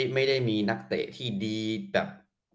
ไม่ได้มีนักเตะที่ดีแบบ